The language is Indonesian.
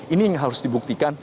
ini yang harus dibuktikan